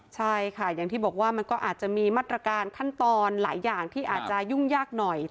ใช่ค่ะอย่างที่บอกว่ามันก็อาจจะมีมาตรการขั้นตอนหลายอย่างที่อาจจะยุ่งยากหน่อย